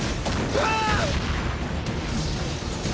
うわぁっ！！